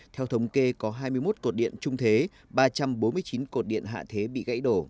theo thống kê có hai mươi một cột điện trung thế ba trăm bốn mươi chín cột điện hạ thế bị gãy đổ